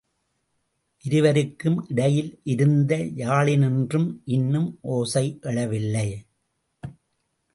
இருவருக்கும் இடையிலிருந்த யாழினின்றும் இன்னும் இசை எழவில்லை.